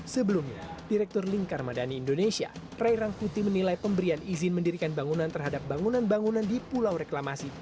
sebelumnya direktur lingkar madani indonesia ray rangkuti menilai pemberian izin mendirikan bangunan terhadap bangunan bangunan di pulau reklamasi